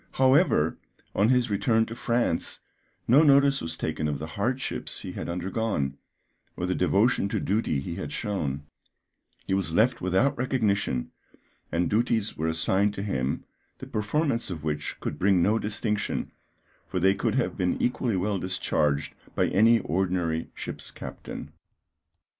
However, on his return to France, no notice was taken of the hardships he had undergone, or the devotion to duty he had shown; he was left without recognition, and duties were assigned to him, the performance of which could bring no distinction, for they could have been equally well discharged by any ordinary ship's captain.